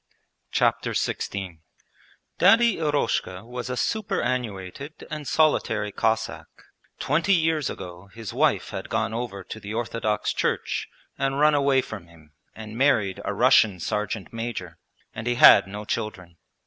Chapter XVI Daddy Eroshka was a superannuated and solitary Cossack: twenty years ago his wife had gone over to the Orthodox Church and run away from him and married a Russian sergeant major, and he had no children.